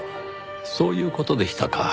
そういう事でしたか。